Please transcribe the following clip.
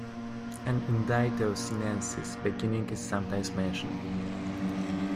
An "indictio Senensis" beginning is sometimes mentioned.